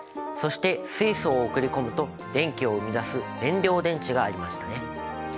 そして水素を送り込むと電気を生み出す燃料電池がありましたね。